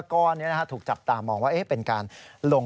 กรณีนี้ทางด้านของประธานกรกฎาได้ออกมาพูดแล้ว